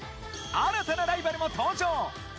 新たなライバルも登場。